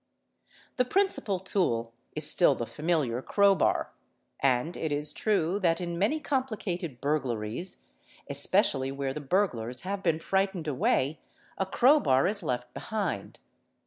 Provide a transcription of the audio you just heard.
| Hig. 144. = ©The principal tool is still the familiar crowbar; and it is true that in ] "many complicated burglaries, especially where the burglars have been "frightened away, a crowbar is left behind.